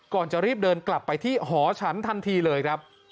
ก่อนจะรีบเดินกลับไปที่หอฉันทันทีเลยครับ